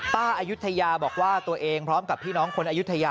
อายุทยาบอกว่าตัวเองพร้อมกับพี่น้องคนอายุทยา